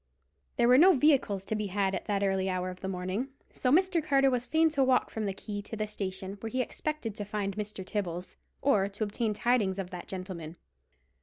There were no vehicles to be had at that early hour of the morning, so Mr. Carter was fain to walk from the quay to the station, where he expected to find Mr. Tibbles, or to obtain tidings of that gentleman.